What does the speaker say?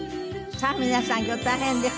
さあ皆さん今日大変です！